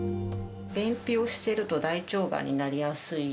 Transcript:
便秘をしていると大腸がんになりやすい？